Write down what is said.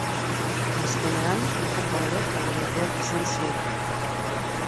Azkenean, okupa hauek kaleratuak izan ziren.